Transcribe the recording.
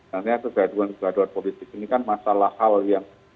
ternyata kegaduan kegaduan polis ini kan masalah hal yang